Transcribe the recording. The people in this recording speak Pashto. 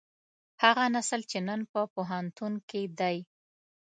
هغه نسل چې نن په پوهنتون کې دی.